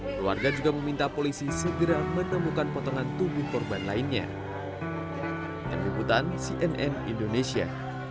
keluarga juga meminta polisi segera menemukan potongan tubuh korban lainnya